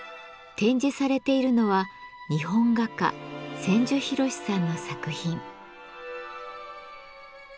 展示されているのは日本画家・千住博さんの作品。